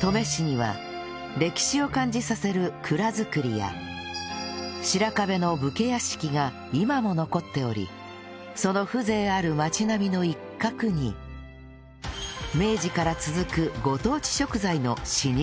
登米市には歴史を感じさせる蔵造りや白壁の武家屋敷が今も残っておりその風情ある町並みの一角に明治から続くご当地食材の老舗がありました